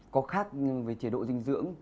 có khác với chế độ dinh dưỡng